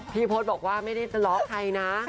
พี่ภศบอกว่าไม่ได้ตลอดใครนะ